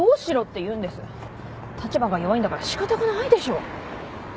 立場が弱いんだからしかたがないでしょ。